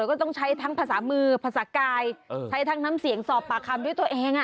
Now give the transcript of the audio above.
ก็ต้องใช้ทั้งภาษามือภาษากายใช้ทั้งน้ำเสียงสอบปากคำด้วยตัวเอง